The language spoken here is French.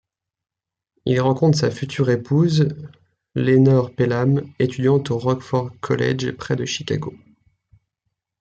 Il rencontre sa future épouse, Lenore Pelham, étudiante au Rockford College, près de Chicago.